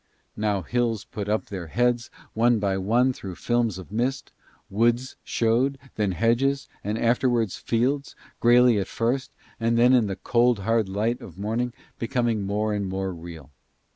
Now hills put up their heads one by one through films of mist; woods showed, then hedges, and afterwards fields, greyly at first and then, in the cold hard light of morning, becoming more and more real.